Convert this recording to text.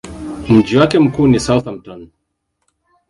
Mji wake mkuu ni Southampton.